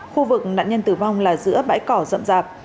khu vực nạn nhân tử vong là giữa bãi cỏ rậm rạp